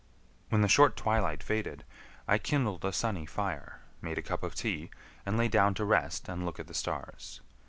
When the short twilight faded, I kindled a sunny fire, made a cup of tea, and lay down to rest and look at the stars.